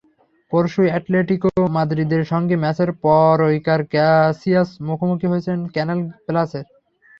পরশু অ্যাটলেটিকো মাদ্রিদের সঙ্গে ম্যাচের পরইকার ক্যাসিয়াস মুখোমুখি হয়েছিলেন ক্যানাল প্লাসের।